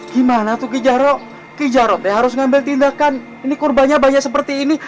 gimana tuh kijaro kijaro teh harus ngambil tindakan ini kurbannya banyak seperti ini